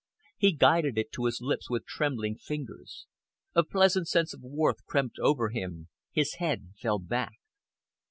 He guided it to his lips with trembling fingers. A pleasant sense of warmth crept over him. His head fell back.